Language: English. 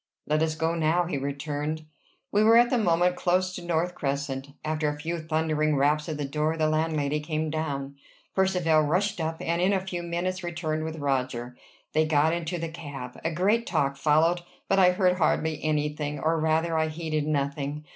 "Let us go now," he returned. We were at the moment close to North Crescent. After a few thundering raps at the door, the landlady came down. Percivale rushed up, and in a few minutes returned with Roger. They got into the cab. A great talk followed; but I heard hardly any thing, or rather I heeded nothing.